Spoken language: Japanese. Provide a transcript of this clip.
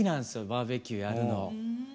バーベキューやるの。